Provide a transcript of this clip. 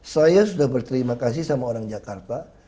saya sudah berterima kasih sama orang jakarta